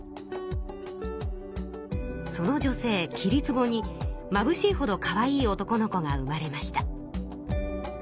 その女性桐壺にまぶしいほどかわいい男の子が産まれました。